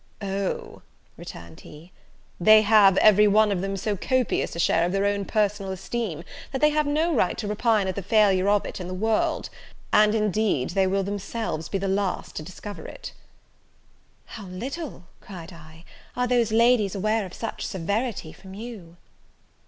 "Oh," returned he, "they have, every one of them, so copious a share of their own personal esteem, that they have no right to repine at the failure of it in the world; and, indeed, they will themselves be the last to discover it." "How little," cried I, "are those ladies aware of such severity from you!"